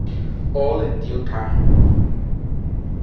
All in due time.